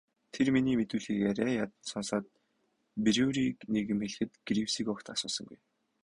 Тэр миний мэдүүлгийг арай ядан сонсоод Бруерыг нэг юм хэлэхэд Гривсыг огт асуусангүй.